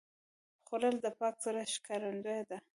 خوړل د پاک زړه ښکارندویي ده